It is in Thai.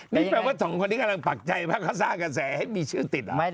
นี่แปลว่าสองคนนี้กำลังปักใจมากเขาสร้างกระแสให้มีชื่อติด